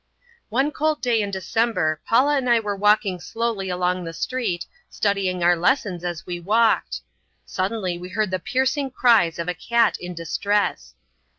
One cold day in December Paula and I were walking slowly along the street, studying our lessons as we walked. Suddenly we heard the piercing cries of a cat in distress.